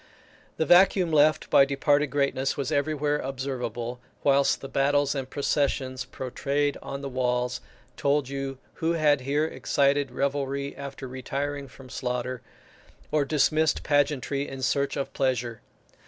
The vacuum left by departed greatness was everywhere observable, whilst the battles and processions portrayed on the walls told you who had here excited revelry after retiring from slaughter, or dismissed pageantry in search of pleasure.